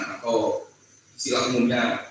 atau istilah umumnya